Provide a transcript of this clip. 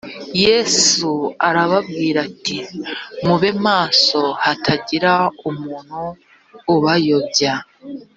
yesu arababwira ati mube maso hatagira umuntu ubayobya